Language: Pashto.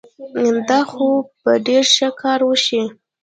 دا خو به ډېر ښه کار وشي.